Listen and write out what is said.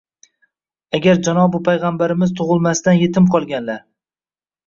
Agar Janobi Payg'ambarimiz tug'ilmasdan yetim qolganlar.